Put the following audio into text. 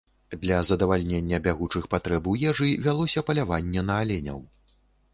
Для задавальнення бягучых патрэб у ежы вялося паляванне на аленяў.